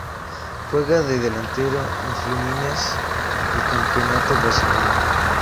Juega de delantero en Fluminense del Campeonato Brasileño.